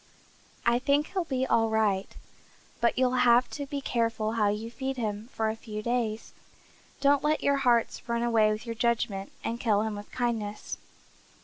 I think he'll be all right, but you'll have to be careful how you feed him for a few days. Don't let your hearts run away with your judgment and kill him with kindness."